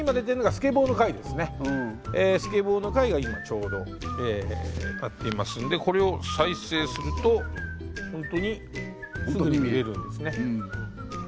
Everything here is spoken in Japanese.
スケボーの回が今ちょうどやっていますんでこれを再生するとほんとにすぐに見れるんですね。